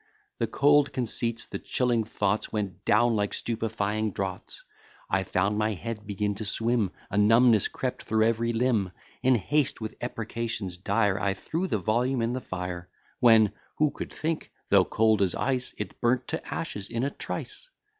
The cold conceits, the chilling thoughts, Went down like stupifying draughts; I found my head begin to swim, A numbness crept through every limb. In haste, with imprecations dire, I threw the volume in the fire; When, (who could think?) though cold as ice, It burnt to ashes in a trice.